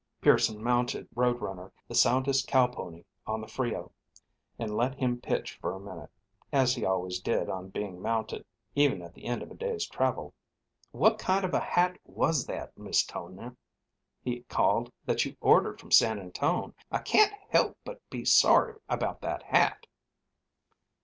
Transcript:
Pearson mounted Road Runner, the soundest cow pony on the Frio, and let him pitch for a minute, as he always did on being mounted, even at the end of a day's travel. "What kind of a hat was that, Miss Tonia," he called, "that you ordered from San Antone? I can't help but be sorry about that hat."